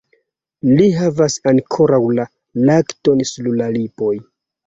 Li havas ankoraŭ la lakton sur la lipoj.